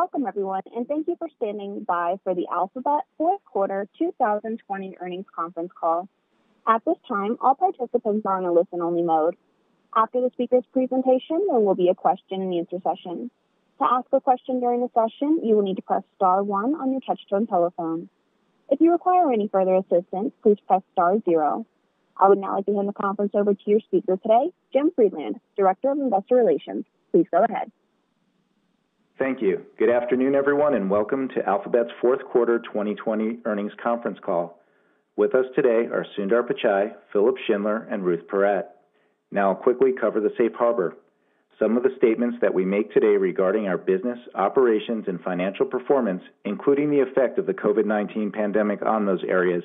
Welcome, everyone, and thank you for standing by for the Alphabet Fourth Quarter 2020 earnings conference call. At this time, all participants are on a listen-only mode. After the speaker's presentation, there will be a question-and-answer session. To ask a question during the session, you will need to press star one on your touch-tone telephone. If you require any further assistance, please press star zero. I would now like to hand the conference over to your speaker today, Jim Friedland, Director of Investor Relations. Please go ahead. Thank you. Good afternoon, everyone, and welcome to Alphabet's Fourth Quarter 2020 earnings conference call. With us today are Sundar Pichai, Philipp Schindler, and Ruth Porat. Now, I'll quickly cover the safe harbor. Some of the statements that we make today regarding our business operations and financial performance, including the effect of the COVID-19 pandemic on those areas,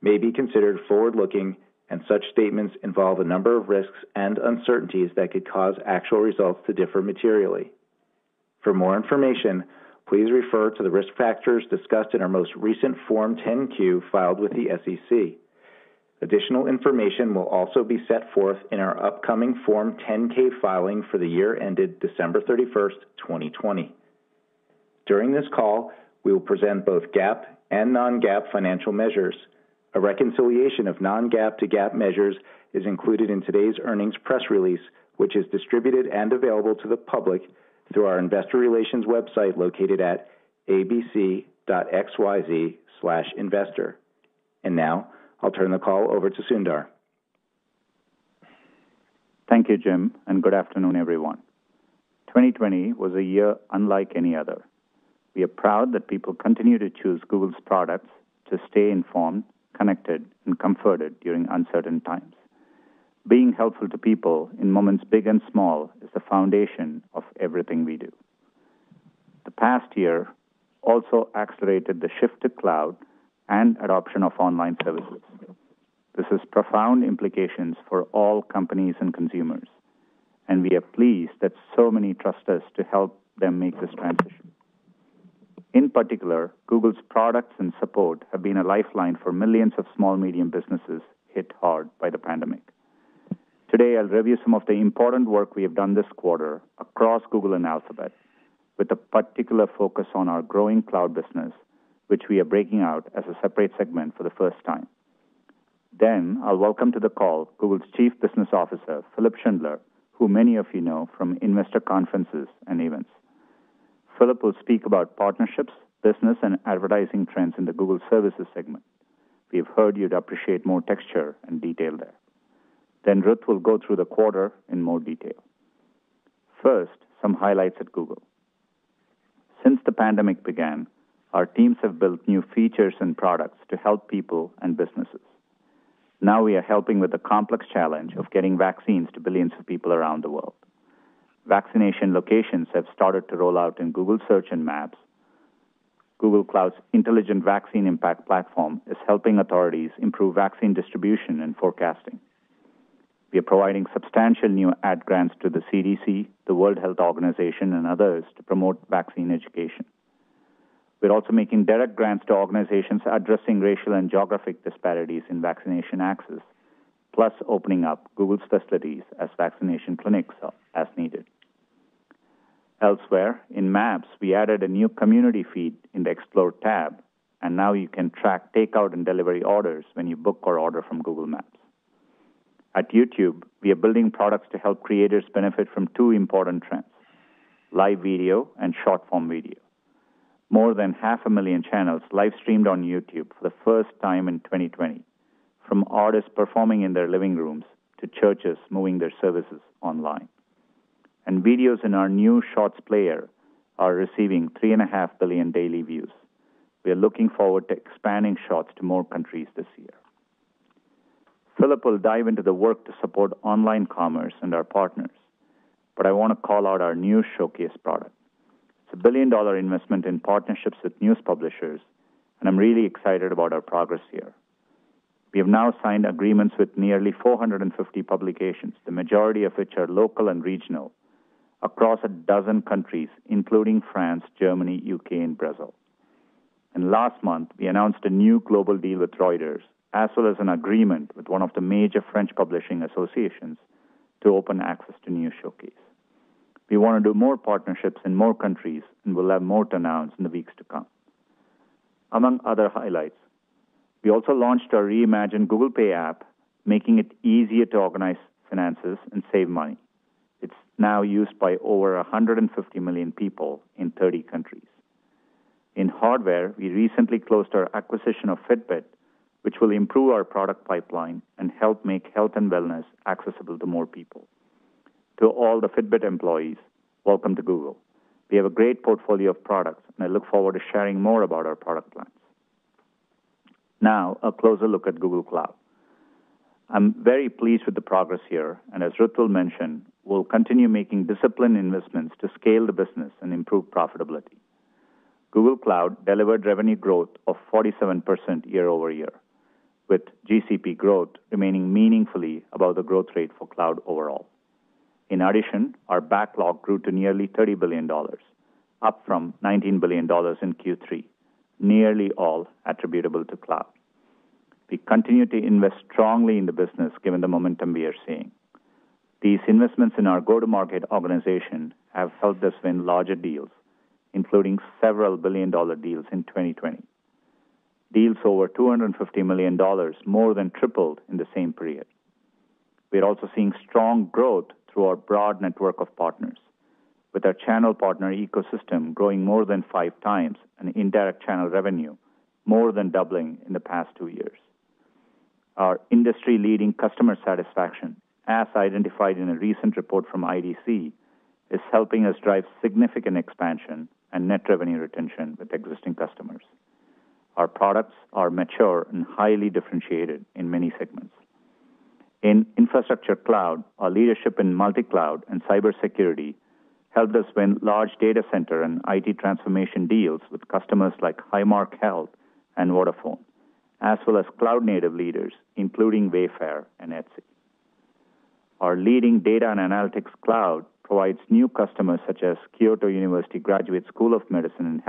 may be considered forward-looking, and such statements involve a number of risks and uncertainties that could cause actual results to differ materially. For more information, please refer to the risk factors discussed in our most recent Form 10-Q filed with the SEC. Additional information will also be set forth in our upcoming Form 10-K filing for the year ended December 31st, 2020. During this call, we will present both GAAP and non-GAAP financial measures. A reconciliation of non-GAAP to GAAP measures is included in today's earnings press release, which is distributed and available to the public through our investor relations website located at abc.xyz/investor, and now I'll turn the call over to Sundar. Thank you, Jim, and good afternoon, everyone. 2020 was a year unlike any other. We are proud that people continue to choose Google's products to stay informed, connected, and comforted during uncertain times. Being helpful to people in moments big and small is the foundation of everything we do. The past year also accelerated the shift to cloud and adoption of online services. This has profound implications for all companies and consumers, and we are pleased that so many trust us to help them make this transition. In particular, Google's products and support have been a lifeline for millions of small-medium businesses hit hard by the pandemic. Today, I'll review some of the important work we have done this quarter across Google and Alphabet, with a particular focus on our growing cloud business, which we are breaking out as a separate segment for the first time. Then, I'll welcome to the call Google's Chief Business Officer, Philipp Schindler, who many of you know from investor conferences and events. Philipp will speak about partnerships, business, and advertising trends in the Google services segment. We have heard you'd appreciate more texture and detail there. Then, Ruth will go through the quarter in more detail. First, some highlights at Google. Since the pandemic began, our teams have built new features and products to help people and businesses. Now, we are helping with the complex challenge of getting vaccines to billions of people around the world. Vaccination locations have started to roll out in Google Search and Maps. Google Cloud's Intelligent Vaccine Impact Platform is helping authorities improve vaccine distribution and forecasting. We are providing substantial new ad grants to the CDC, the World Health Organization, and others to promote vaccine education. We're also making direct grants to organizations addressing racial and geographic disparities in vaccination access, plus opening up Google's facilities as vaccination clinics as needed. Elsewhere, in Maps, we added a new community feed in the Explore tab, and now you can track takeout and delivery orders when you book or order from Google Maps. At YouTube, we are building products to help creators benefit from two important trends: live video and short-form video. More than 500,000 channels live-streamed on YouTube for the first time in 2020, from artists performing in their living rooms to churches moving their services online. And videos in our new Shorts player are receiving 3.5 billion daily views. We are looking forward to expanding Shorts to more countries this year. Philipp will dive into the work to support online commerce and our partners, but I want to call out our new showcase product. It's a $1 billion investment in partnerships with news publishers, and I'm really excited about our progress here. We have now signed agreements with nearly 450 publications, the majority of which are local and regional, across a dozen countries, including France, Germany, the U.K., and Brazil, and last month, we announced a new global deal with Reuters, as well as an agreement with one of the major French publishing associations to open access to News Showcase. We want to do more partnerships in more countries and will have more to announce in the weeks to come. Among other highlights, we also launched our reimagined Google Pay app, making it easier to organize finances and save money. It's now used by over 150 million people in 30 countries. In hardware, we recently closed our acquisition of Fitbit, which will improve our product pipeline and help make health and wellness accessible to more people. To all the Fitbit employees, welcome to Google. We have a great portfolio of products, and I look forward to sharing more about our product plans. Now, a closer look at Google Cloud. I'm very pleased with the progress here, and as Ruth will mention, we'll continue making disciplined investments to scale the business and improve profitability. Google Cloud delivered revenue growth of 47% year-over-year, with GCP growth remaining meaningfully above the growth rate for Cloud overall. In addition, our backlog grew to nearly $30 billion, up from $19 billion in Q3, nearly all attributable to Cloud. We continue to invest strongly in the business, given the momentum we are seeing. These investments in our go-to-market organization have helped us win larger deals, including several billion-dollar deals in 2020. Deals over $250 million more than tripled in the same period. We are also seeing strong growth through our broad network of partners, with our channel partner ecosystem growing more than five times, and indirect channel revenue more than doubling in the past two years. Our industry-leading customer satisfaction, as identified in a recent report from IDC, is helping us drive significant expansion and net revenue retention with existing customers. Our products are mature and highly differentiated in many segments. In infrastructure cloud, our leadership in multicloud and cybersecurity helped us win large data center and IT transformation deals with customers like Highmark Health and Vodafone, as well as cloud-native leaders, including Wayfair and Etsy. Our leading data and analytics cloud provides new customers such as Kyoto University Graduate School of Medicine and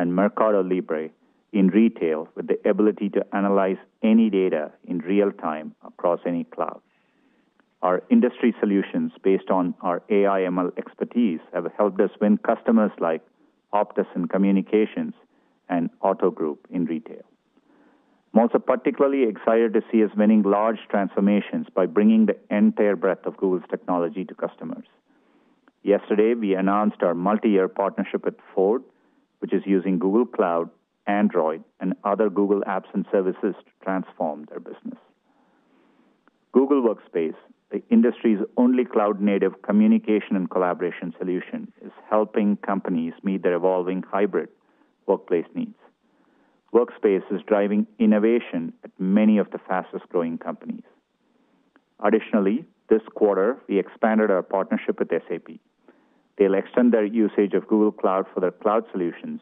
MercadoLibre in retail, with the ability to analyze any data in real time across any cloud. Our industry solutions, based on our AI/ML expertise, have helped us win customers like Optus in communications and Otto Group in retail. Most are particularly excited to see us winning large transformations by bringing the end-to-end breadth of Google's technology to customers. Yesterday, we announced our multi-year partnership with Ford, which is using Google Cloud, Android, and other Google apps and services to transform their business. Google Workspace, the industry's only cloud-native communication and collaboration solution, is helping companies meet their evolving hybrid workplace needs. Workspace is driving innovation at many of the fastest-growing companies. Additionally, this quarter, we expanded our partnership with SAP. They'll extend their usage of Google Cloud for their cloud solutions,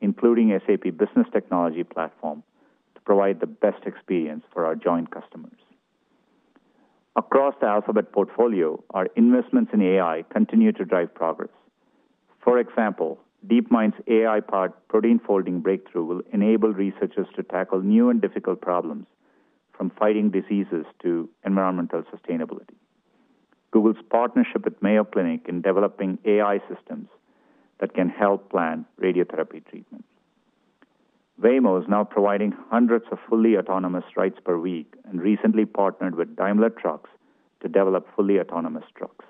including SAP Business Technology Platform, to provide the best experience for our joint customers. Across the Alphabet portfolio, our investments in AI continue to drive progress. For example, DeepMind's AI-powered protein folding breakthrough will enable researchers to tackle new and difficult problems, from fighting diseases to environmental sustainability. Google's partnership with Mayo Clinic is developing AI systems that can help plan radiotherapy treatment. Waymo is now providing hundreds of fully autonomous rides per week and recently partnered with Daimler Truck to develop fully autonomous trucks.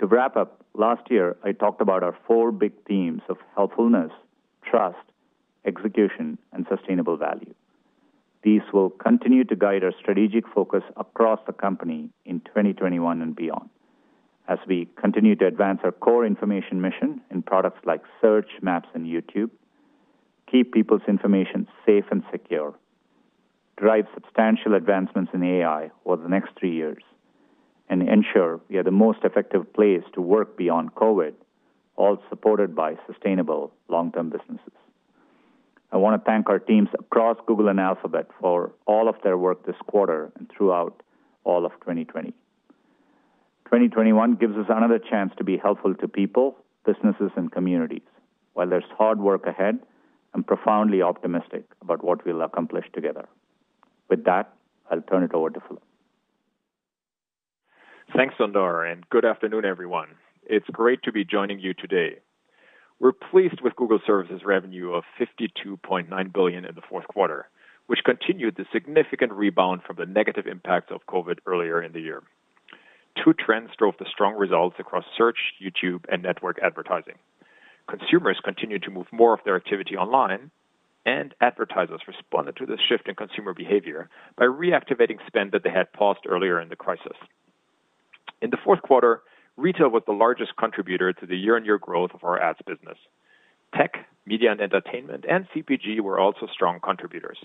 To wrap up, last year, I talked about our four big themes of helpfulness, trust, execution, and sustainable value. These will continue to guide our strategic focus across the company in 2021 and beyond, as we continue to advance our core information mission in products like Search, Maps, and YouTube, keep people's information safe and secure, drive substantial advancements in AI over the next three years, and ensure we are the most effective place to work beyond COVID, all supported by sustainable long-term businesses. I want to thank our teams across Google and Alphabet for all of their work this quarter and throughout all of 2020. 2021 gives us another chance to be helpful to people, businesses, and communities, while there's hard work ahead, and I'm profoundly optimistic about what we'll accomplish together. With that, I'll turn it over to Philipp. Thanks, Sundar, and good afternoon, everyone. It's great to be joining you today. We're pleased with Google Services revenue of $52.9 billion in the fourth quarter, which continued the significant rebound from the negative impacts of COVID earlier in the year. Two trends drove the strong results across Search, YouTube, and network advertising. Consumers continued to move more of their activity online, and advertisers responded to this shift in consumer behavior by reactivating spend that they had paused earlier in the crisis. In the fourth quarter, retail was the largest contributor to the year-on-year growth of our ads business. Tech, media, and entertainment, and CPG were also strong contributors.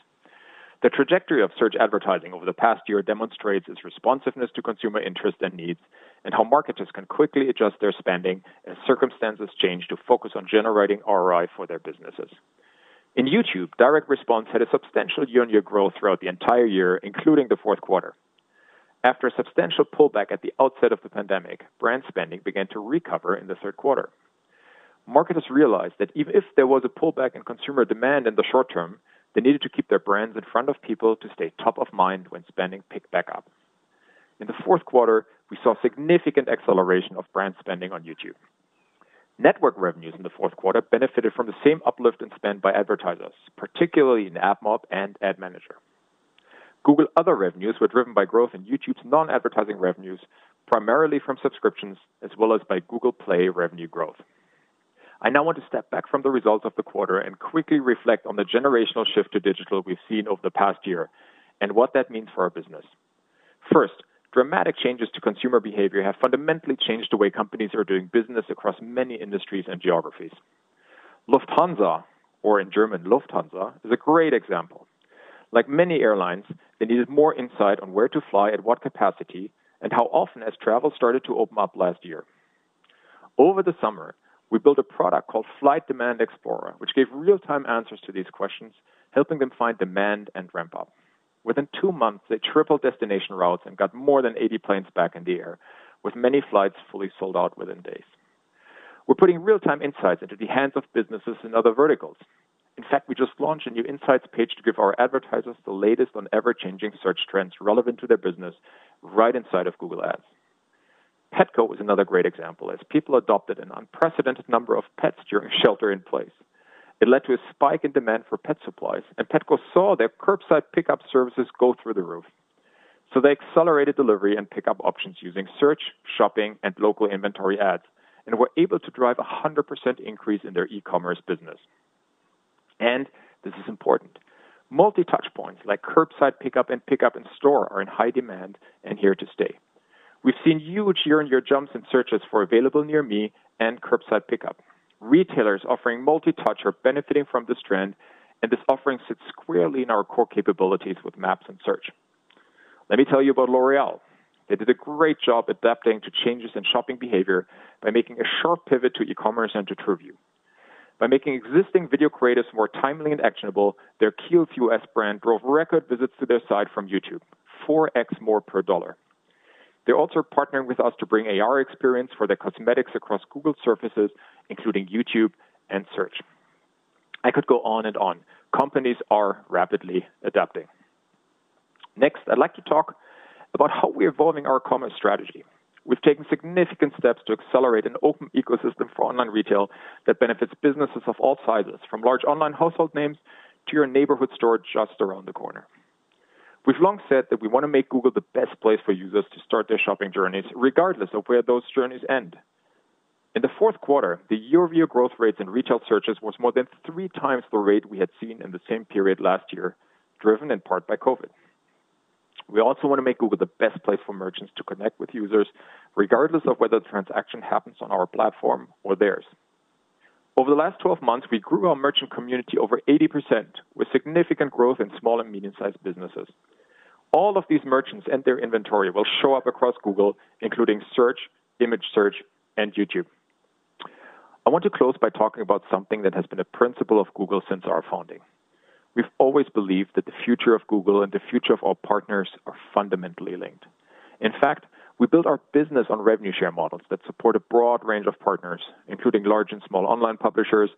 The trajectory of Search advertising over the past year demonstrates its responsiveness to consumer interests and needs, and how marketers can quickly adjust their spending as circumstances change to focus on generating ROI for their businesses. In YouTube, direct response had a substantial year-on-year growth throughout the entire year, including the fourth quarter. After a substantial pullback at the outset of the pandemic, brand spending began to recover in the third quarter. Marketers realized that even if there was a pullback in consumer demand in the short term, they needed to keep their brands in front of people to stay top of mind when spending picked back up. In the fourth quarter, we saw significant acceleration of brand spending on YouTube. Network revenues in the fourth quarter benefited from the same uplift in spend by advertisers, particularly in AdMob and Ad Manager. Google other revenues were driven by growth in YouTube's non-advertising revenues, primarily from subscriptions, as well as by Google Play revenue growth. I now want to step back from the results of the quarter and quickly reflect on the generational shift to digital we've seen over the past year and what that means for our business. First, dramatic changes to consumer behavior have fundamentally changed the way companies are doing business across many industries and geographies. Lufthansa, or in German, Lufthansa, is a great example. Like many airlines, they needed more insight on where to fly, at what capacity, and how often as travel started to open up last year. Over the summer, we built a product called Flight Demand Explorer, which gave real-time answers to these questions, helping them find demand and ramp up. Within two months, they tripled destination routes and got more than 80 planes back in the air, with many flights fully sold out within days. We're putting real-time insights into the hands of businesses in other verticals. In fact, we just launched a new insights page to give our advertisers the latest on ever-changing search trends relevant to their business right inside of Google Ads. Petco is another great example, as people adopted an unprecedented number of pets during shelter-in-place. It led to a spike in demand for pet supplies, and Petco saw their curbside pickup services go through the roof, so they accelerated delivery and pickup options using Search, Shopping, and Local Inventory Ads, and were able to drive a 100% increase in their e-commerce business, and this is important. Multi-touch points like curbside pickup and pickup in store are in high demand and here to stay. We've seen huge year-on-year jumps in searches for available near me and curbside pickup. Retailers offering multi-touch are benefiting from this trend, and this offering sits squarely in our core capabilities with Maps and Search. Let me tell you about L'Oréal. They did a great job adapting to changes in shopping behavior by making a sharp pivot to e-commerce and to TrueView. By making existing video creatives more timely and actionable, their Kiehl's U.S. brand drove record visits to their site from YouTube, 4x more per dollar. They're also partnering with us to bring AR experience for their cosmetics across Google services, including YouTube and Search. I could go on and on. Companies are rapidly adapting. Next, I'd like to talk about how we're evolving our commerce strategy. We've taken significant steps to accelerate an open ecosystem for online retail that benefits businesses of all sizes, from large online household names to your neighborhood store just around the corner. We've long said that we want to make Google the best place for users to start their shopping journeys, regardless of where those journeys end. In the fourth quarter, the year-over-year growth rates in retail searches was more than three times the rate we had seen in the same period last year, driven in part by COVID. We also want to make Google the best place for merchants to connect with users, regardless of whether the transaction happens on our platform or theirs. Over the last 12 months, we grew our merchant community over 80%, with significant growth in small and medium-sized businesses. All of these merchants and their inventory will show up across Google, including Search, Image Search, and YouTube. I want to close by talking about something that has been a principle of Google since our founding. We've always believed that the future of Google and the future of our partners are fundamentally linked. In fact, we built our business on revenue share models that support a broad range of partners, including large and small online publishers,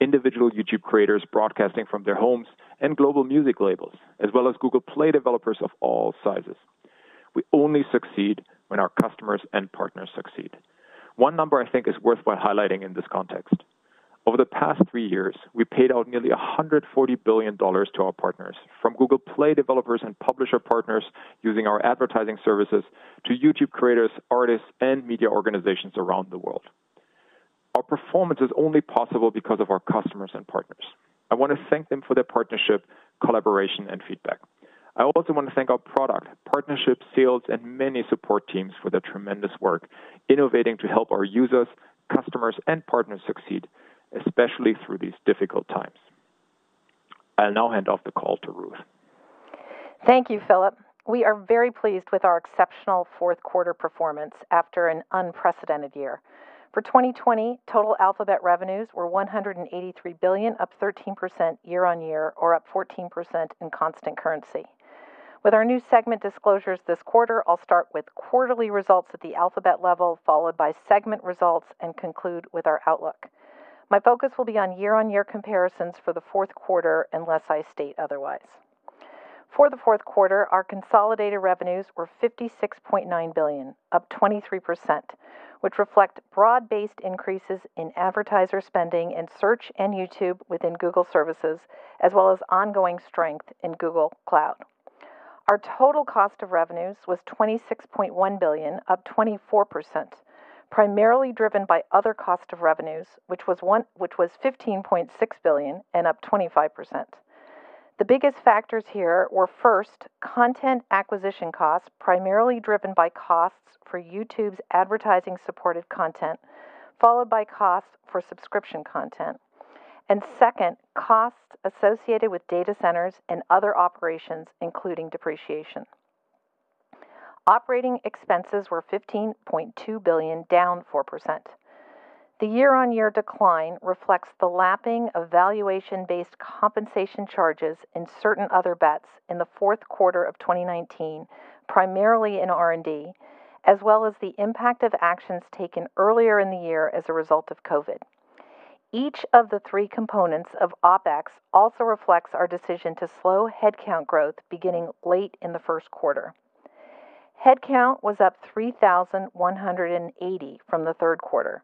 individual YouTube creators broadcasting from their homes, and global music labels, as well as Google Play developers of all sizes. We only succeed when our customers and partners succeed. One number I think is worthwhile highlighting in this context. Over the past three years, we paid out nearly $140 billion to our partners, from Google Play developers and publisher partners using our advertising services to YouTube creators, artists, and media organizations around the world. Our performance is only possible because of our customers and partners. I want to thank them for their partnership, collaboration, and feedback. I also want to thank our product, partnership, sales, and many support teams for their tremendous work innovating to help our users, customers, and partners succeed, especially through these difficult times. I'll now hand off the call to Ruth. Thank you, Philipp. We are very pleased with our exceptional fourth quarter performance after an unprecedented year. For 2020, total Alphabet revenues were $183 billion, up 13% year-on-year, or up 14% in constant currency. With our new segment disclosures this quarter, I'll start with quarterly results at the Alphabet level, followed by segment results, and conclude with our outlook. My focus will be on year-on-year comparisons for the fourth quarter, unless I state otherwise. For the fourth quarter, our consolidated revenues were $56.9 billion, up 23%, which reflect broad-based increases in advertiser spending in Search and YouTube within Google Services, as well as ongoing strength in Google Cloud. Our total cost of revenues was $26.1 billion, up 24%, primarily driven by other cost of revenues, which was $15.6 billion, and up 25%. The biggest factors here were, first, content acquisition costs primarily driven by costs for YouTube's advertising-supported content, followed by costs for subscription content, and second, costs associated with data centers and other operations, including depreciation. Operating expenses were $15.2 billion, down 4%. The year-on-year decline reflects the lapping of valuation-based compensation charges and certain Other Bets in the fourth quarter of 2019, primarily in R&D, as well as the impact of actions taken earlier in the year as a result of COVID. Each of the three components of OPEX also reflects our decision to slow headcount growth beginning late in the first quarter. Headcount was up 3,180 from the third quarter.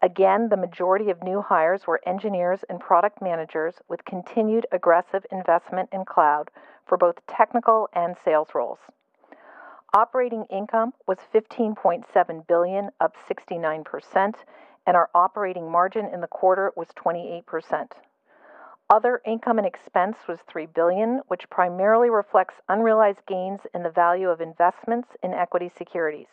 Again, the majority of new hires were engineers and product managers with continued aggressive investment in cloud for both technical and sales roles. Operating income was $15.7 billion, up 69%, and our operating margin in the quarter was 28%. Other income and expense was $3 billion, which primarily reflects unrealized gains in the value of investments in equity securities.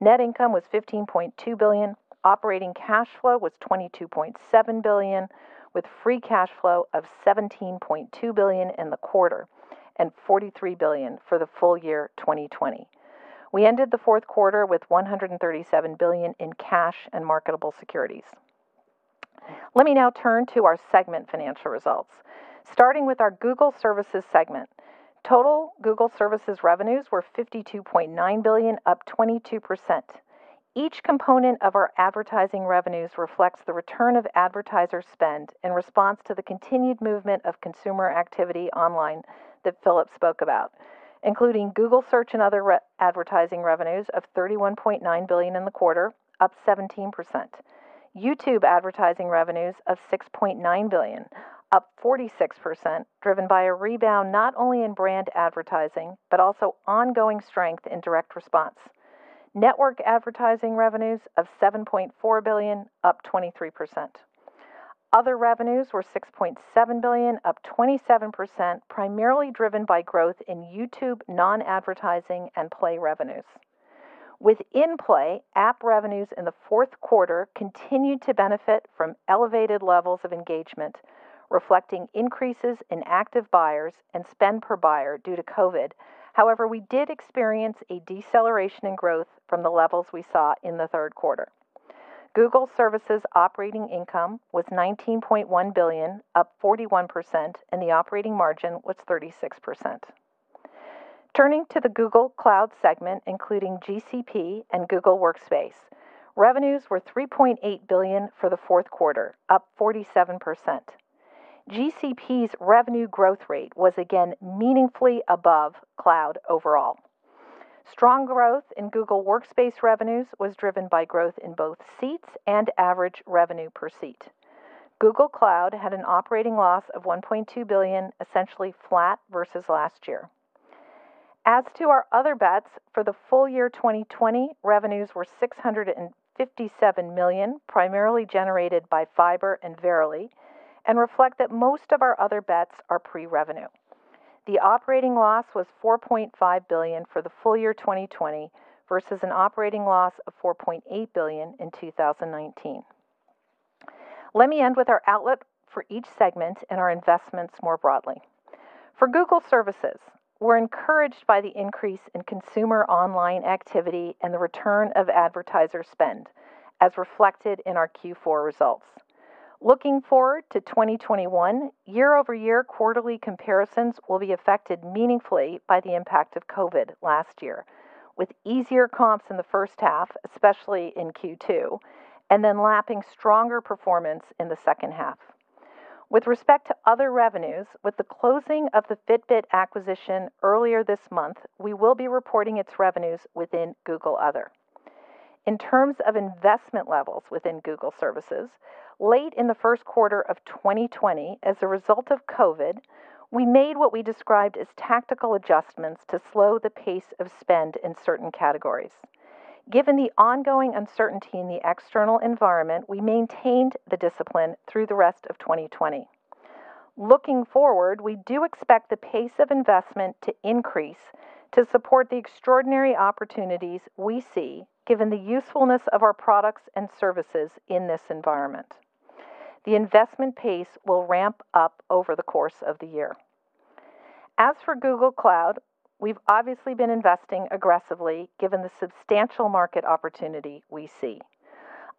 Net income was $15.2 billion. Operating cash flow was $22.7 billion, with free cash flow of $17.2 billion in the quarter and $43 billion for the full year 2020. We ended the fourth quarter with $137 billion in cash and marketable securities. Let me now turn to our segment financial results. Starting with our Google Services segment, total Google Services revenues were $52.9 billion, up 22%. Each component of our advertising revenues reflects the return of advertiser spend in response to the continued movement of consumer activity online that Philipp spoke about, including Google Search and other advertising revenues of $31.9 billion in the quarter, up 17%. YouTube advertising revenues of $6.9 billion, up 46%, driven by a rebound not only in brand advertising but also ongoing strength in direct response. Network advertising revenues of $7.4 billion, up 23%. Other revenues were $6.7 billion, up 27%, primarily driven by growth in YouTube non-advertising and Play revenues. Within Play, app revenues in the fourth quarter continued to benefit from elevated levels of engagement, reflecting increases in active buyers and spend per buyer due to COVID. However, we did experience a deceleration in growth from the levels we saw in the third quarter. Google Services operating income was $19.1 billion, up 41%, and the operating margin was 36%. Turning to the Google Cloud segment, including GCP and Google Workspace, revenues were $3.8 billion for the fourth quarter, up 47%. GCP's revenue growth rate was again meaningfully above Cloud overall. Strong growth in Google Workspace revenues was driven by growth in both seats and average revenue per seat. Google Cloud had an operating loss of $1.2 billion, essentially flat versus last year. As to our other bets, for the full year 2020, revenues were $657 million, primarily generated by Fiber and Verily, and reflect that most of our other bets are pre-revenue. The operating loss was $4.5 billion for the full year 2020 versus an operating loss of $4.8 billion in 2019. Let me end with our outlook for each segment and our investments more broadly. For Google Services, we're encouraged by the increase in consumer online activity and the return of advertiser spend, as reflected in our Q4 results. Looking forward to 2021, year-over-year quarterly comparisons will be affected meaningfully by the impact of COVID last year, with easier comps in the first half, especially in Q2, and then lapping stronger performance in the second half. With respect to other revenues, with the closing of the Fitbit acquisition earlier this month, we will be reporting its revenues within GoogleOther. In terms of investment levels within Google Services, late in the first quarter of 2020, as a result of COVID, we made what we described as tactical adjustments to slow the pace of spend in certain categories. Given the ongoing uncertainty in the external environment, we maintained the discipline through the rest of 2020. Looking forward, we do expect the pace of investment to increase to support the extraordinary opportunities we see, given the usefulness of our products and services in this environment. The investment pace will ramp up over the course of the year. As for Google Cloud, we've obviously been investing aggressively, given the substantial market opportunity we see.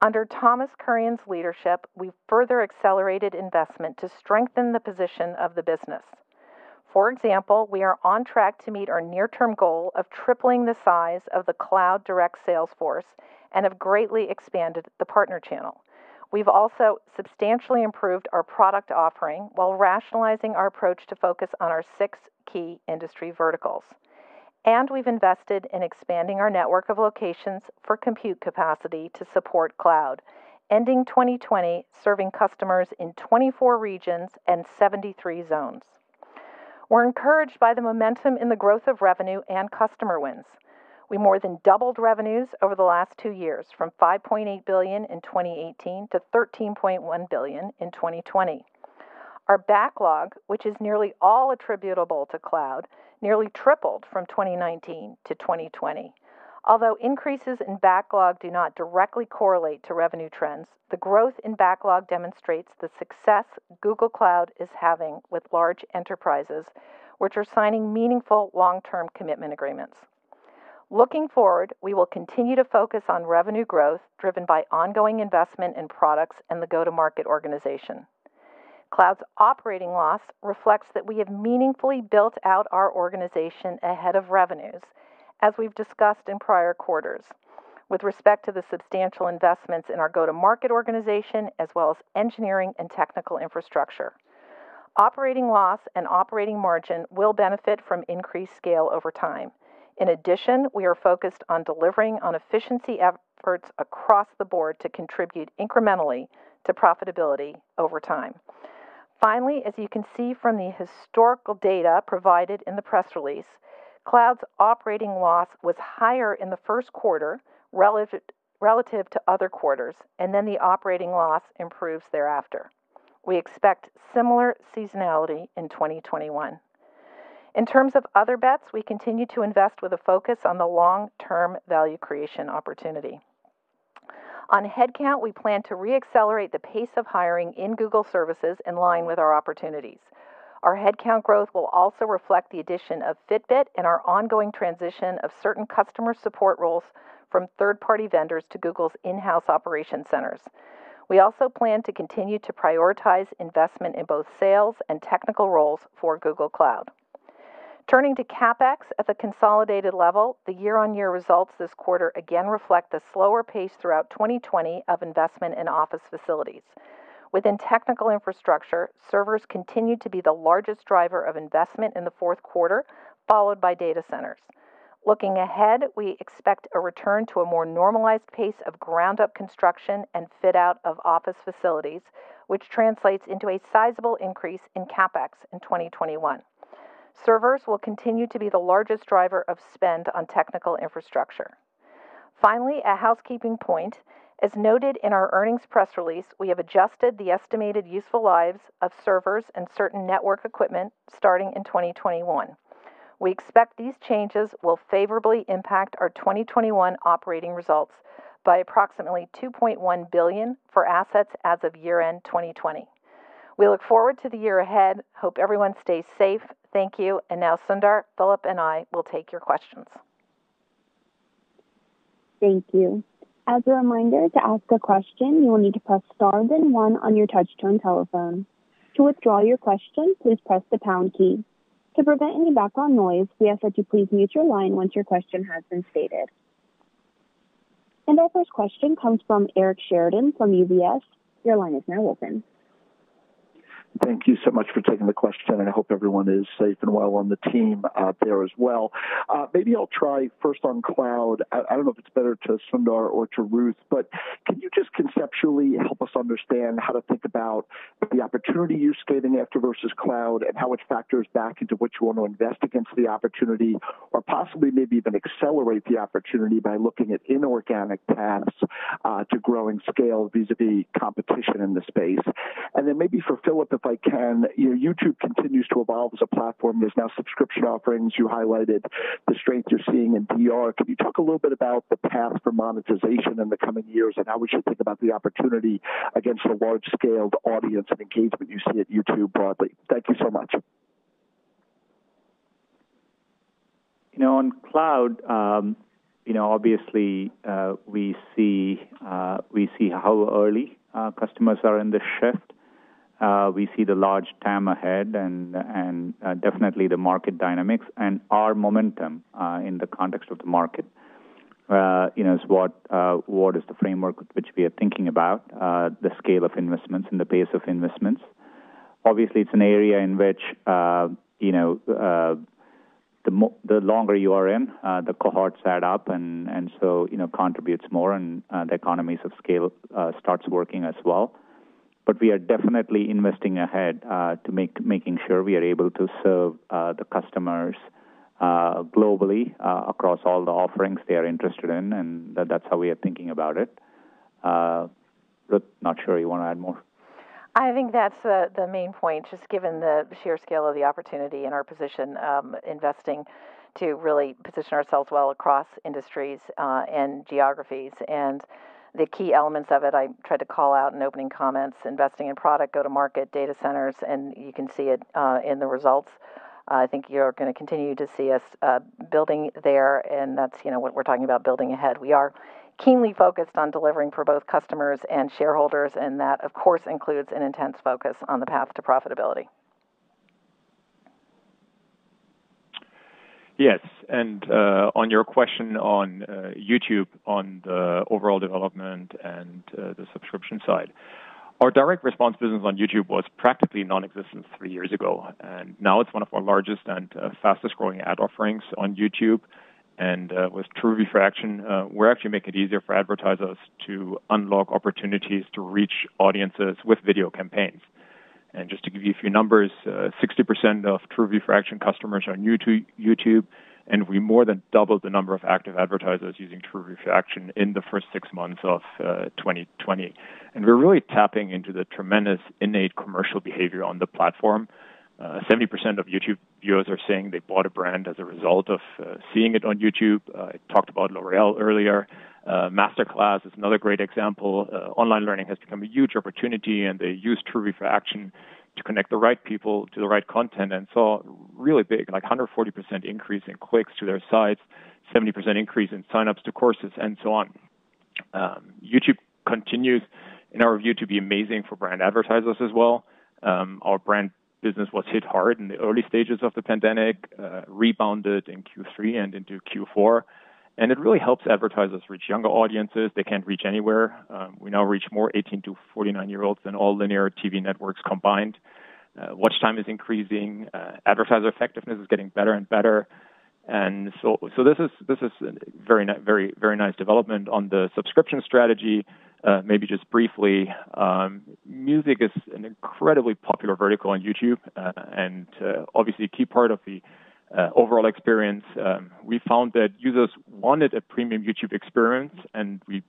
Under Thomas Kurian's leadership, we've further accelerated investment to strengthen the position of the business. For example, we are on track to meet our near-term goal of tripling the size of the Cloud direct sales force and have greatly expanded the partner channel. We've also substantially improved our product offering while rationalizing our approach to focus on our six key industry verticals. And we've invested in expanding our network of locations for compute capacity to support Cloud, ending 2020, serving customers in 24 regions and 73 zones. We're encouraged by the momentum in the growth of revenue and customer wins. We more than doubled revenues over the last two years, from $5.8 billion in 2018 to $13.1 billion in 2020. Our backlog, which is nearly all attributable to Cloud, nearly tripled from 2019 to 2020. Although increases in backlog do not directly correlate to revenue trends, the growth in backlog demonstrates the success Google Cloud is having with large enterprises, which are signing meaningful long-term commitment agreements. Looking forward, we will continue to focus on revenue growth driven by ongoing investment in products and the go-to-market organization. Cloud's operating loss reflects that we have meaningfully built out our organization ahead of revenues, as we've discussed in prior quarters, with respect to the substantial investments in our go-to-market organization, as well as engineering and technical infrastructure. Operating loss and operating margin will benefit from increased scale over time. In addition, we are focused on delivering on efficiency efforts across the board to contribute incrementally to profitability over time. Finally, as you can see from the historical data provided in the press release, Cloud's operating loss was higher in the first quarter relative to other quarters, and then the operating loss improves thereafter. We expect similar seasonality in 2021. In terms of other bets, we continue to invest with a focus on the long-term value creation opportunity. On headcount, we plan to re-accelerate the pace of hiring in Google Services in line with our opportunities. Our headcount growth will also reflect the addition of Fitbit and our ongoing transition of certain customer support roles from third-party vendors to Google's in-house operation centers. We also plan to continue to prioritize investment in both sales and technical roles for Google Cloud. Turning to CapEx at the consolidated level, the year-on-year results this quarter again reflect the slower pace throughout 2020 of investment in office facilities. Within technical infrastructure, servers continue to be the largest driver of investment in the fourth quarter, followed by data centers. Looking ahead, we expect a return to a more normalized pace of ground-up construction and fit-out of office facilities, which translates into a sizable increase in CapEx in 2021. Servers will continue to be the largest driver of spend on technical infrastructure. Finally, a housekeeping point: as noted in our earnings press release, we have adjusted the estimated useful lives of servers and certain network equipment starting in 2021. We expect these changes will favorably impact our 2021 operating results by approximately $2.1 billion for assets as of year-end 2020. We look forward to the year ahead. Hope everyone stays safe. Thank you, and now, Sundar, Philipp, and I will take your questions. Thank you. As a reminder, to ask a question, you will need to press then one on your touch-tone telephone. To withdraw your question, please press the pound key. To prevent any background noise, we ask that you please mute your line once your question has been stated, and our first question comes from Eric Sheridan from UBS. Your line is now open. Thank you so much for taking the question. And I hope everyone is safe and well on the team there as well. Maybe I'll try first on Cloud. I don't know if it's better to Sundar or to Ruth, but can you just conceptually help us understand how to think about the opportunity you're skating after versus Cloud and how it factors back into what you want to invest against the opportunity or possibly maybe even accelerate the opportunity by looking at inorganic paths to growing scale vis-à-vis competition in the space? And then maybe for Philipp, if I can, YouTube continues to evolve as a platform. There's now subscription offerings. You highlighted the strength you're seeing in DR. Can you talk a little bit about the path for monetization in the coming years and how we should think about the opportunity against the large-scaled audience and engagement you see at YouTube broadly? Thank you so much. You know, on Cloud, you know, obviously, we see how early customers are in the shift. We see the large time ahead and definitely the market dynamics and our momentum in the context of the market is what is the framework which we are thinking about, the scale of investments and the pace of investments. Obviously, it's an area in which the longer you are in, the cohorts add up, and so contributes more, and the economies of scale starts working as well. But we are definitely investing ahead to making sure we are able to serve the customers globally across all the offerings they are interested in, and that's how we are thinking about it. Ruth, not sure you want to add more? I think that's the main point, just given the sheer scale of the opportunity and our position investing to really position ourselves well across industries and geographies. And the key elements of it I tried to call out in opening comments: investing in product, go-to-market, data centers, and you can see it in the results. I think you're going to continue to see us building there, and that's what we're talking about building ahead. We are keenly focused on delivering for both customers and shareholders, and that, of course, includes an intense focus on the path to profitability. Yes, and on your question on YouTube, on the overall development and the subscription side, our direct response business on YouTube was practically nonexistent three years ago, and now it's one of our largest and fastest-growing ad offerings on YouTube. And with TrueView for Action, we're actually making it easier for advertisers to unlock opportunities to reach audiences with video campaigns. And just to give you a few numbers, 60% of TrueView for Action customers are new to YouTube, and we more than doubled the number of active advertisers using TrueView for Action in the first six months of 2020. And we're really tapping into the tremendous innate commercial behavior on the platform. 70% of YouTube viewers are saying they bought a brand as a result of seeing it on YouTube. I talked about L'Oréal earlier. MasterClass is another great example. Online learning has become a huge opportunity, and they used TrueView for Action to connect the right people to the right content and saw a really big, like 140% increase in clicks to their sites, 70% increase in sign-ups to courses, and so on. YouTube continues, in our view, to be amazing for brand advertisers as well. Our brand business was hit hard in the early stages of the pandemic, rebounded in Q3 and into Q4 and it really helps advertisers reach younger audiences. They can't reach anywhere. We now reach more 18 to 49-year-olds than all linear TV networks combined. Watch time is increasing. Advertiser effectiveness is getting better and better and so this is a very nice development on the subscription strategy. Maybe just briefly, music is an incredibly popular vertical on YouTube and obviously a key part of the overall experience. We found that users wanted a premium YouTube experience, and we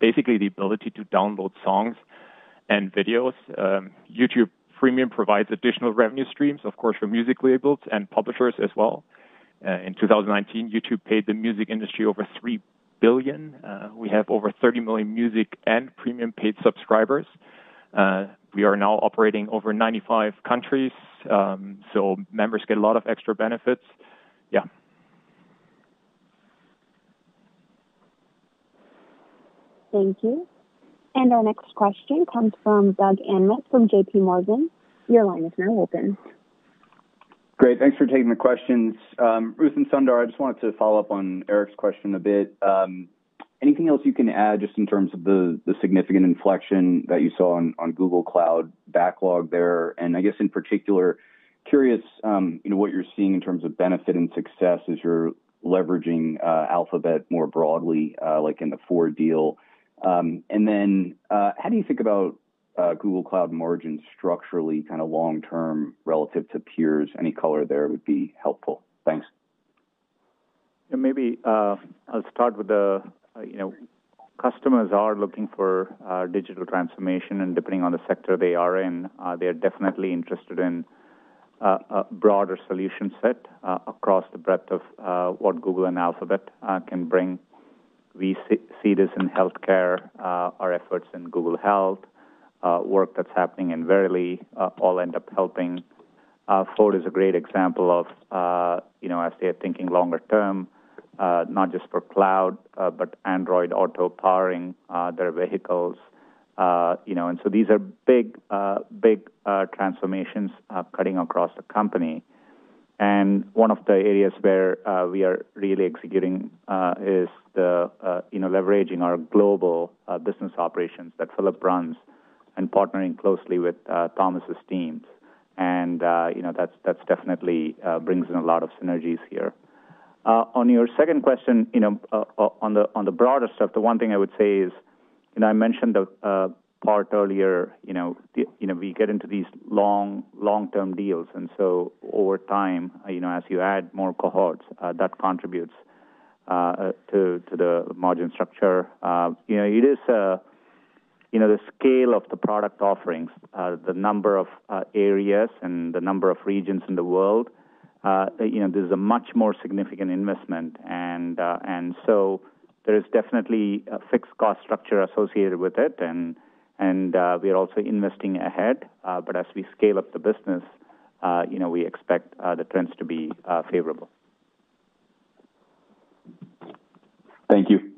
basically had the ability to download songs and videos. YouTube Premium provides additional revenue streams, of course, for music labels and publishers as well. In 2019, YouTube paid the music industry over $3 billion. We have over 30 million Music and Premium-paid subscribers. We are now operating over 95 countries, so members get a lot of extra benefits. Yeah. Thank you. And our next question comes from Doug Anmuth from JPMorgan. Your line is now open. Great. Thanks for taking the questions. Ruth and Sundar, I just wanted to follow up on Eric's question a bit. Anything else you can add just in terms of the significant inflection that you saw on Google Cloud backlog there? And I guess, in particular, curious what you're seeing in terms of benefit and success as you're leveraging Alphabet more broadly, like in the Ford deal. And then how do you think about Google Cloud margins structurally, kind of long-term relative to peers? Any color there would be helpful. Thanks. Maybe I'll start with the customers are looking for digital transformation, and depending on the sector they are in, they are definitely interested in a broader solution set across the breadth of what Google and Alphabet can bring. We see this in healthcare, our efforts in Google Health, work that's happening in Verily all end up helping. Ford is a great example of, as they are thinking longer term, not just for Cloud, but Android Auto powering their vehicles. And so these are big, big transformations cutting across the company. And one of the areas where we are really executing is leveraging our global business operations that Philipp runs and partnering closely with Thomas's teams. And that definitely brings in a lot of synergies here. On your second question, on the broader stuff, the one thing I would say is I mentioned the part earlier. We get into these long-term deals, and so over time, as you add more cohorts, that contributes to the margin structure. It is the scale of the product offerings, the number of areas, and the number of regions in the world. There's a much more significant investment, and so there is definitely a fixed cost structure associated with it, and we are also investing ahead, but as we scale up the business, we expect the trends to be favorable. Thank you.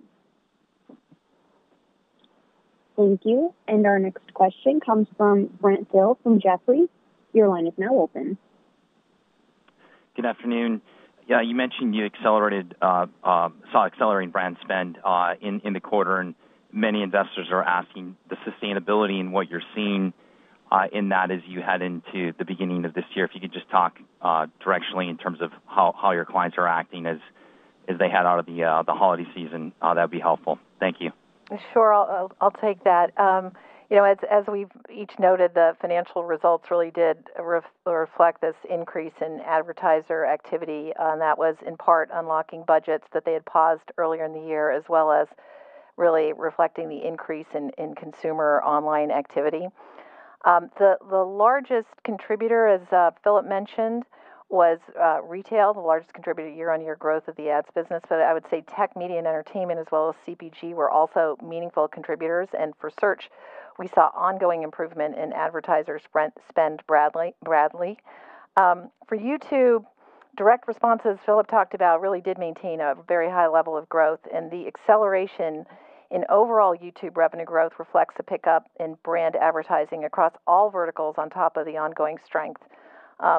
Thank you. And our next question comes from Brent Thill from Jefferies. Your line is now open. Good afternoon. Yeah, you mentioned you saw accelerating brand spend in the quarter, and many investors are asking the sustainability and what you're seeing in that as you head into the beginning of this year. If you could just talk directionally in terms of how your clients are acting as they head out of the holiday season, that would be helpful. Thank you. Sure. I'll take that. As we've each noted, the financial results really did reflect this increase in advertiser activity, and that was in part unlocking budgets that they had paused earlier in the year, as well as really reflecting the increase in consumer online activity. The largest contributor, as Philipp mentioned, was retail, the largest contributor year-over-year growth of the ads business. But I would say tech, media, and entertainment, as well as CPG, were also meaningful contributors. And for Search, we saw ongoing improvement in advertisers' spend broadly. For YouTube, direct responses Philipp talked about really did maintain a very high level of growth, and the acceleration in overall YouTube revenue growth reflects a pickup in brand advertising across all verticals on top of the ongoing strength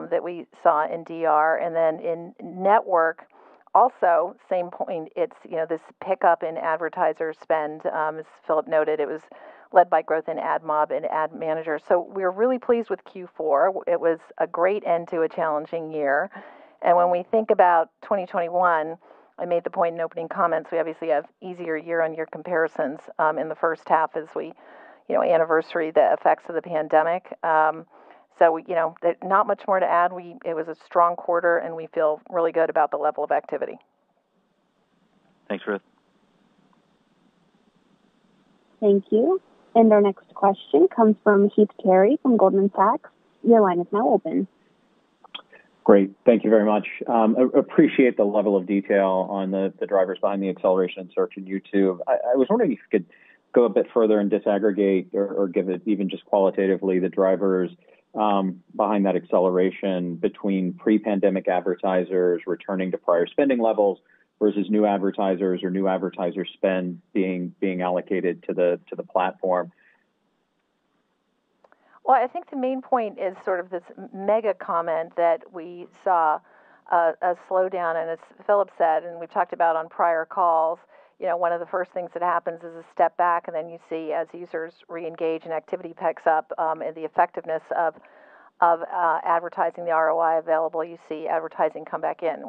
that we saw in DR. And then in network, also, same point, it's this pickup in advertiser spend, as Philipp noted. It was led by growth in AdMob and Ad Manager. So we're really pleased with Q4. It was a great end to a challenging year. And when we think about 2021, I made the point in opening comments, we obviously have easier year-on-year comparisons in the first half as we anniversary the effects of the pandemic. So not much more to add. It was a strong quarter, and we feel really good about the level of activity. Thanks, Ruth. Thank you. And our next question comes from Heath Terry from Goldman Sachs. Your line is now open. Great. Thank you very much. Appreciate the level of detail on the drivers behind the acceleration in Search and YouTube. I was wondering if you could go a bit further and disaggregate or give it even just qualitatively the drivers behind that acceleration between pre-pandemic advertisers returning to prior spending levels versus new advertisers or new advertiser spend being allocated to the platform? Well, I think the main point is sort of this macro comment that we saw a slowdown. And as Philipp said, and we've talked about on prior calls, one of the first things that happens is a step back, and then you see as users reengage and activity picks up, and the effectiveness of advertising, the ROI available, you see advertising come back in.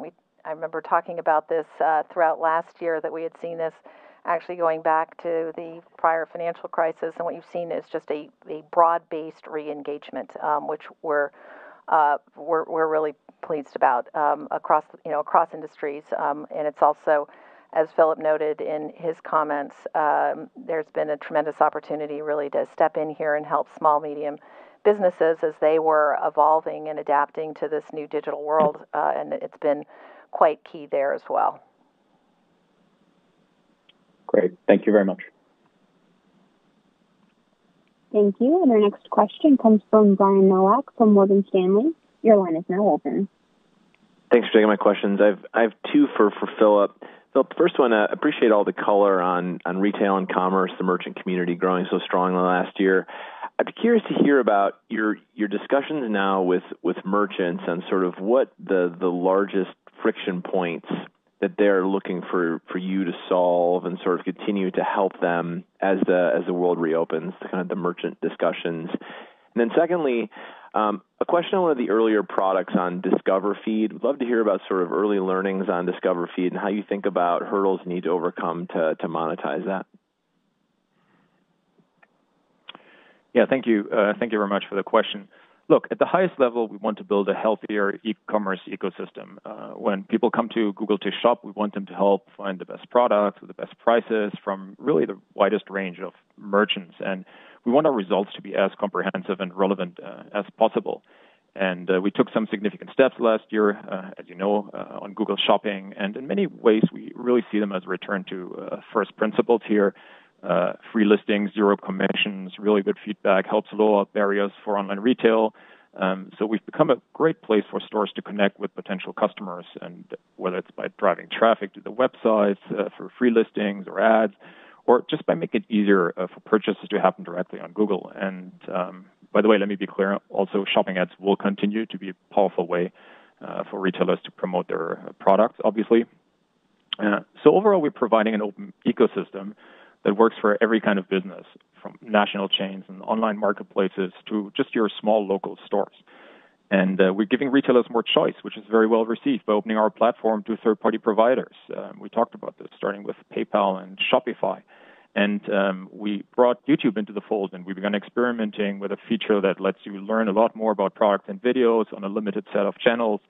I remember talking about this throughout last year that we had seen this actually going back to the prior financial crisis. And what you've seen is just a broad-based reengagement, which we're really pleased about across industries. And it's also, as Philipp noted in his comments, there's been a tremendous opportunity really to step in here and help small, medium businesses as they were evolving and adapting to this new digital world. And it's been quite key there as well. Great. Thank you very much. Thank you. And our next question comes from Brian Nowak from Morgan Stanley. Your line is now open. Thanks for taking my questions. I have two for Philipp. Philipp, first one, I appreciate all the color on retail and commerce, the merchant community growing so strongly last year. I'd be curious to hear about your discussions now with merchants and sort of what the largest friction points that they're looking for you to solve and sort of continue to help them as the world reopens, kind of the merchant discussions. And then secondly, a question on one of the earlier products on Discover Feed. We'd love to hear about sort of early learnings on Discover Feed and how you think about hurdles you need to overcome to monetize that. Yeah, thank you. Thank you very much for the question. Look, at the highest level, we want to build a healthier e-commerce ecosystem. When people come to Google to shop, we want them to help find the best products with the best prices from really the widest range of merchants. And we want our results to be as comprehensive and relevant as possible. And we took some significant steps last year, as you know, on Google Shopping. And in many ways, we really see them as a return to first principles here: free listing, zero commissions, really good feedback, helps lower barriers for online retail. So we've become a great place for stores to connect with potential customers, whether it's by driving traffic to the website for free listings or ads, or just by making it easier for purchases to happen directly on Google. And by the way, let me be clear. Also, Shopping ads will continue to be a powerful way for retailers to promote their products, obviously. So overall, we're providing an open ecosystem that works for every kind of business, from national chains and online marketplaces to just your small local stores. And we're giving retailers more choice, which is very well received by opening our platform to third-party providers. We talked about this, starting with PayPal and Shopify. And we brought YouTube into the fold, and we began experimenting with a feature that lets you learn a lot more about products and videos on a limited set of channels,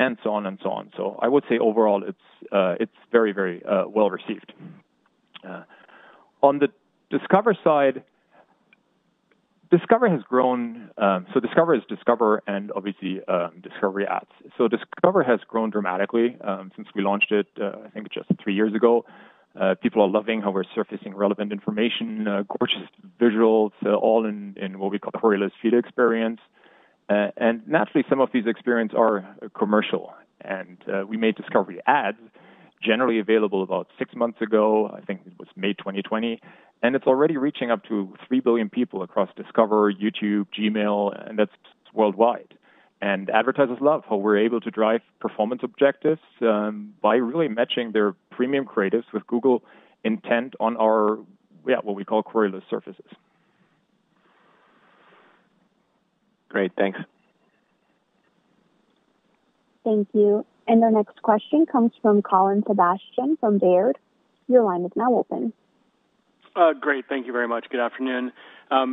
and so on and so on. So I would say overall, it's very, very well received. On the Discover side, Discover has grown. So Discover is Discover, and obviously, Discovery Ads. Discover has grown dramatically since we launched it, I think, just three years ago. People are loving how we're surfacing relevant information, gorgeous visuals, all in what we call the queryless feed experience. Naturally, some of these experiences are commercial. We made Discovery Ads generally available about six months ago. I think it was May 2020. It's already reaching up to 3 billion people across Discover, YouTube, Gmail, and that's worldwide. Advertisers love how we're able to drive performance objectives by really matching their premium creatives with Google intent on our, yeah, what we call queryless surfaces. Great. Thanks. Thank you. And our next question comes from Colin Sebastian from Baird. Your line is now open. Great. Thank you very much. Good afternoon.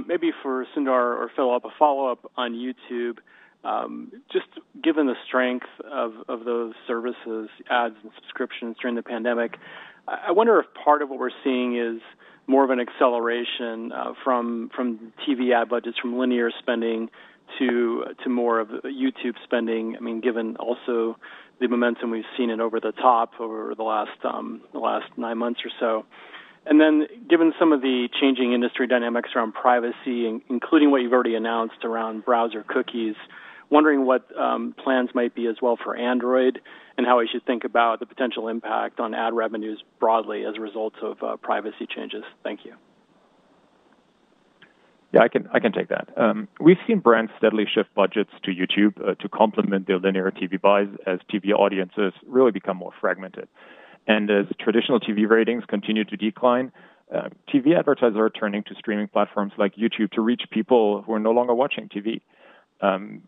Maybe for Sundar or Philipp, a follow-up on YouTube. Just given the strength of those services, ads, and subscriptions during the pandemic, I wonder if part of what we're seeing is more of an acceleration from TV ad budgets, from linear spending to more of YouTube spending, I mean, given also the momentum we've seen in over-the-top over the last nine months or so. And then given some of the changing industry dynamics around privacy, including what you've already announced around browser cookies, wondering what plans might be as well for Android and how we should think about the potential impact on ad revenues broadly as a result of privacy changes. Thank you. Yeah, I can take that. We've seen brands steadily shift budgets to YouTube to complement their linear TV buys as TV audiences really become more fragmented. And as traditional TV ratings continue to decline, TV advertisers are turning to streaming platforms like YouTube to reach people who are no longer watching TV.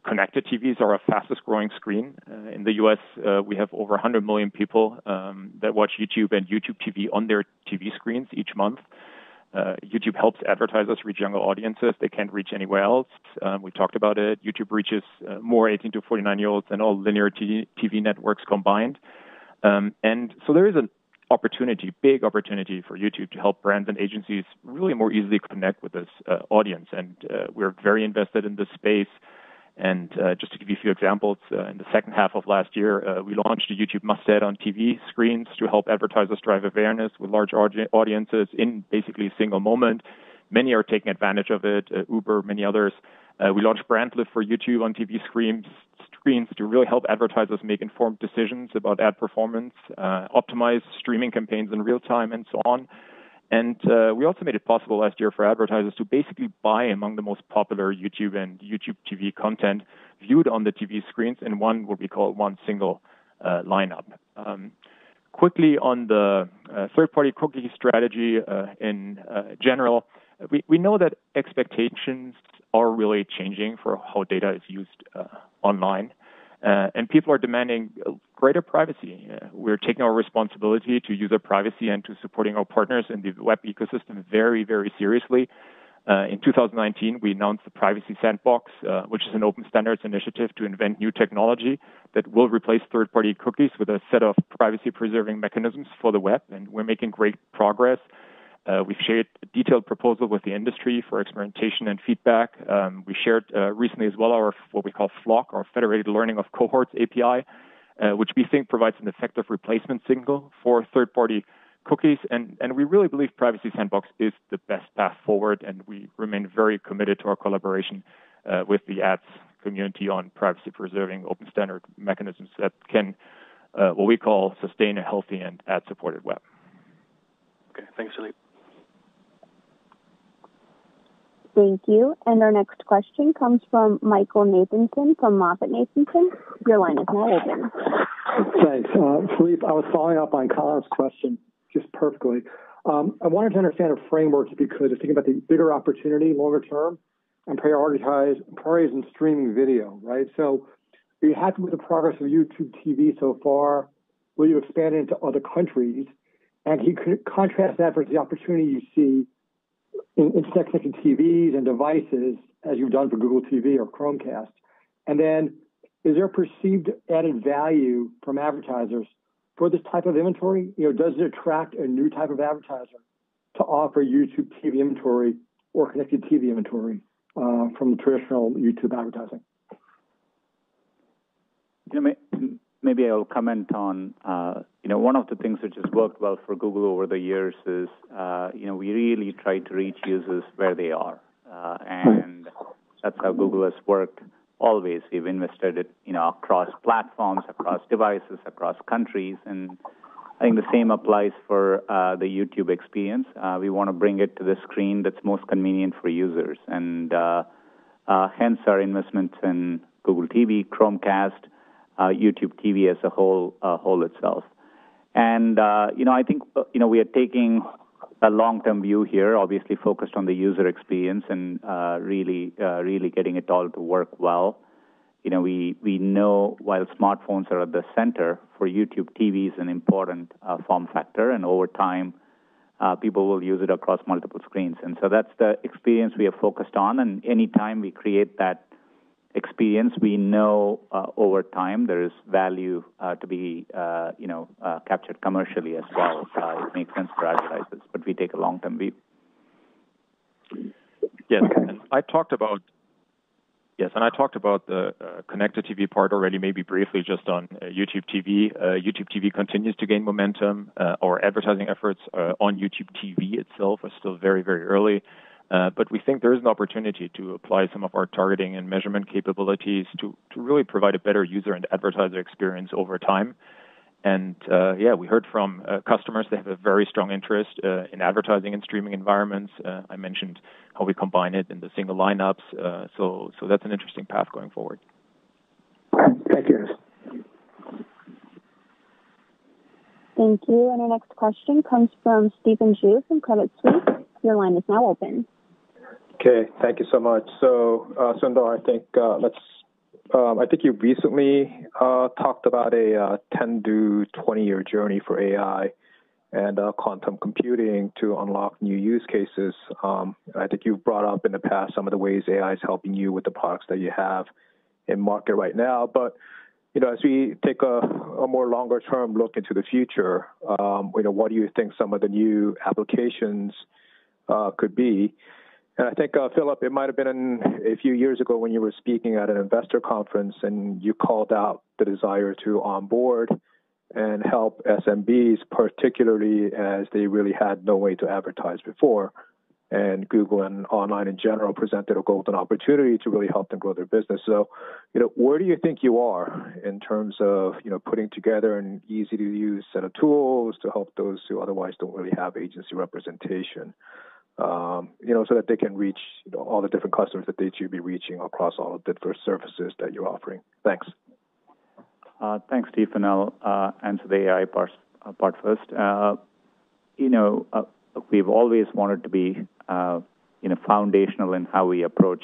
Connected TVs are our fastest growing screen. In the U.S., we have over 100 million people that watch YouTube and YouTube TV on their TV screens each month. YouTube helps advertisers reach younger audiences they can't reach anywhere else. We talked about it. YouTube reaches more 18 to 49-year-olds than all linear TV networks combined, and so there is an opportunity, big opportunity for YouTube to help brands and agencies really more easily connect with this audience, and we're very invested in this space. And just to give you a few examples, in the second half of last year, we launched a YouTube Masthead on TV screens to help advertisers drive awareness with large audiences in basically a single moment. Many are taking advantage of it, Uber, many others. We launched Brand Lift for YouTube on TV screens to really help advertisers make informed decisions about ad performance, optimize streaming campaigns in real time, and so on. And we also made it possible last year for advertisers to basically buy among the most popular YouTube and YouTube TV content viewed on the TV screens in one, what we call one single lineup. Quickly on the third-party cookie strategy in general, we know that expectations are really changing for how data is used online. And people are demanding greater privacy. We're taking our responsibility to user privacy and to supporting our partners in the web ecosystem very, very seriously. In 2019, we announced the Privacy Sandbox, which is an open standards initiative to invent new technology that will replace third-party cookies with a set of privacy-preserving mechanisms for the web. And we're making great progress. We've shared a detailed proposal with the industry for experimentation and feedback. We shared recently as well our what we call FLoC, our Federated Learning of Cohorts API, which we think provides an effective replacement signal for third-party cookies. And we really believe Privacy Sandbox is the best path forward. And we remain very committed to our collaboration with the ads community on privacy-preserving open standard mechanisms that can what we call sustain a healthy and ad-supported web. Okay. Thanks, Philipp. Thank you. And our next question comes from Michael Nathanson from MoffettNathanson. Your line is now open. Thanks. Philipp, I was following up on Colin's question just perfectly. I wanted to understand a framework, if you could, of thinking about the bigger opportunity, longer term, and priorities in streaming video, right? So are you happy with the progress of YouTube TV so far? Will you expand into other countries? And can you contrast that versus the opportunity you see in connected TVs and devices as you've done for Google TV or Chromecast? And then is there perceived added value from advertisers for this type of inventory? Does it attract a new type of advertiser to offer YouTube TV inventory or connected TV inventory from the traditional YouTube advertising? Maybe I'll comment on one of the things which has worked well for Google over the years, is we really try to reach users where they are, and that's how Google has worked always. We've invested across platforms, across devices, across countries, and I think the same applies for the YouTube experience. We want to bring it to the screen that's most convenient for users, and hence our investments in Google TV, Chromecast, YouTube TV as a whole itself. I think we are taking a long-term view here, obviously focused on the user experience and really getting it all to work well. We know while smartphones are at the center, for YouTube TV is an important form factor, and over time, people will use it across multiple screens. That's the experience we have focused on. Anytime we create that experience, we know over time there is value to be captured commercially as well. It makes sense for advertisers, but we take a long-term view. Yes, I talked about the connected TV part already, maybe briefly, just on YouTube TV. YouTube TV continues to gain momentum. Our advertising efforts on YouTube TV itself are still very, very early, but we think there is an opportunity to apply some of our targeting and measurement capabilities to really provide a better user and advertiser experience over time, and yeah, we heard from customers that have a very strong interest in advertising and streaming environments. I mentioned how we combine it in the single lineups, so that's an interesting path going forward. Thank you. Thank you. And our next question comes from Stephen Ju from Credit Suisse. Your line is now open. Okay. Thank you so much. So Sundar, I think you recently talked about a 10 to 20-year journey for AI and quantum computing to unlock new use cases. I think you've brought up in the past some of the ways AI is helping you with the products that you have in market right now. But as we take a more longer-term look into the future, what do you think some of the new applications could be? And I think, Philipp, it might have been a few years ago when you were speaking at an investor conference, and you called out the desire to onboard and help SMBs, particularly as they really had no way to advertise before. And Google and online in general presented a golden opportunity to really help them grow their business. Where do you think you are in terms of putting together an easy-to-use set of tools to help those who otherwise don't really have agency representation so that they can reach all the different customers that they should be reaching across all of the different services that you're offering? Thanks. Thanks, Stephen. I'll answer the AI part first. We've always wanted to be foundational in how we approach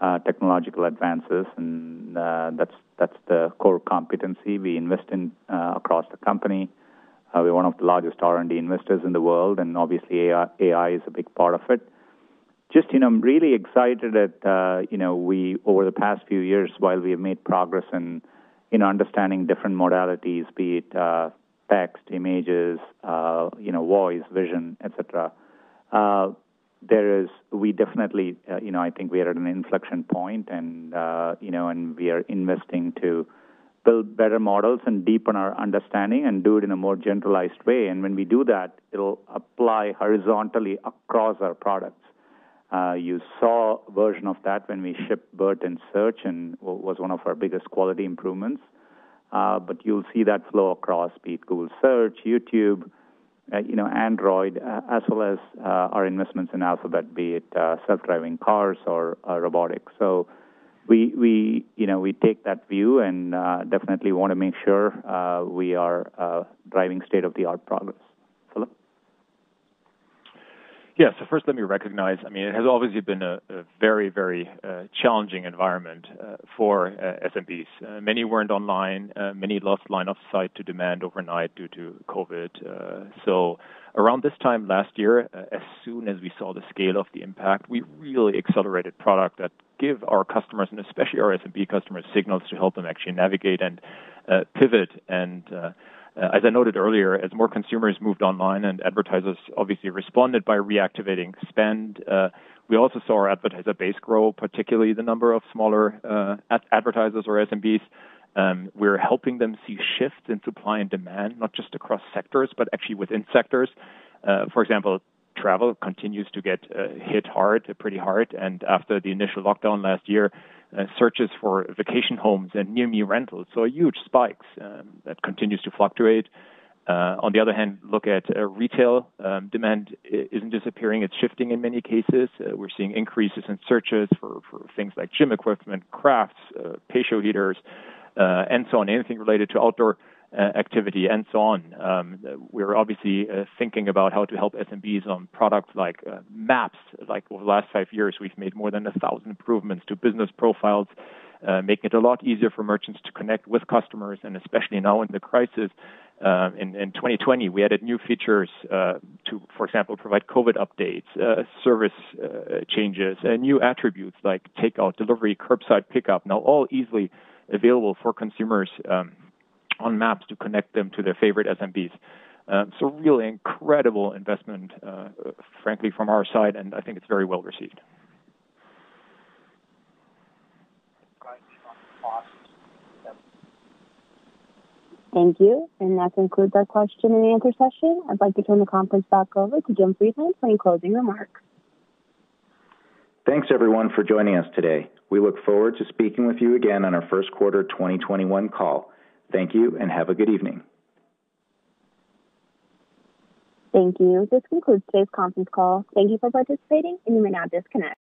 technological advances. And that's the core competency we invest in across the company. We're one of the largest R&D investors in the world. And obviously, AI is a big part of it. Just really excited that we, over the past few years, while we have made progress in understanding different modalities, be it text, images, voice, vision, et cetera, we definitely think we are at an inflection point. And we are investing to build better models and deepen our understanding and do it in a more generalized way. And when we do that, it'll apply horizontally across our products. You saw a version of that when we shipped BERT and Search, and it was one of our biggest quality improvements. But you'll see that flow across Google Search, YouTube, Android, as well as our investments in Alphabet, be it self-driving cars or robotics. So we take that view and definitely want to make sure we are driving state-of-the-art progress. Philipp? Yeah, so first, let me recognize. I mean, it has obviously been a very, very challenging environment for SMBs. Many weren't online. Many lost line of sight to demand overnight due to COVID, so around this time last year, as soon as we saw the scale of the impact, we really accelerated product that gave our customers, and especially our SMB customers, signals to help them actually navigate and pivot, and as I noted earlier, as more consumers moved online and advertisers obviously responded by reactivating spend, we also saw our advertiser base grow, particularly the number of smaller advertisers or SMBs. We're helping them see shifts in supply and demand, not just across sectors, but actually within sectors. For example, travel continues to get hit hard, pretty hard, and after the initial lockdown last year, searches for vacation homes and near-me rentals saw huge spikes that continue to fluctuate. On the other hand, look at retail. Demand isn't disappearing. It's shifting in many cases. We're seeing increases in searches for things like gym equipment, crafts, patio heaters, and so on, anything related to outdoor activity and so on. We're obviously thinking about how to help SMBs on products like Maps. Like over the last five years, we've made more than 1,000 improvements to Business Profiles, making it a lot easier for merchants to connect with customers. And especially now in the crisis, in 2020, we added new features to, for example, provide COVID updates, service changes, and new attributes like takeout, delivery, curbside pickup, now all easily available for consumers on Maps to connect them to their favorite SMBs. So really incredible investment, frankly, from our side, and I think it's very well received. Thank you. And that concludes our question and answer session. I'd like to turn the conference back over to Jim Friedland for any closing remarks. Thanks, everyone, for joining us today. We look forward to speaking with you again on our first quarter 2021 call. Thank you, and have a good evening. Thank you. This concludes today's conference call. Thank you for participating, and you may now disconnect.